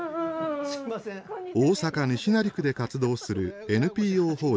大阪・西成区で活動するＮＰＯ法人。